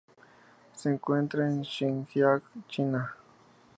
Se encuentra en Xinjiang, China.